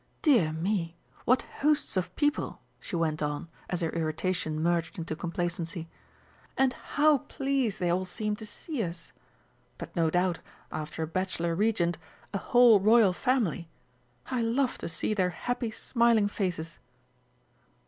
"Dear me, what hosts of people!" she went on, as her irritation merged into complacency. "And how pleased they all seem to see us! But no doubt, after a bachelor Regent, a whole Royal family I love to see their happy smiling faces!"